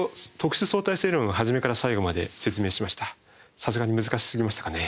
さすがに難しすぎましたかね？